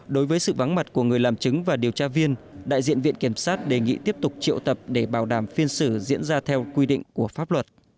đối với sự vắng mặt của người làm chứng và điều tra viên đại diện viện kiểm sát đề nghị tiếp tục triệu tập để bảo đảm phiên xử diễn ra theo quy định của pháp luật